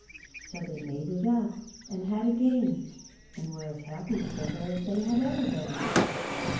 So the\ made it up, and had a game, and were as happy to gether as they had ever been.